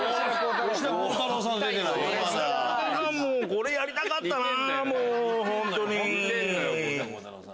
これやりたかったな。